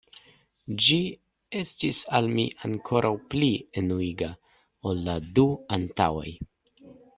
Ĝi estis al mi ankoraŭ pli enuiga ol la du antaŭaj.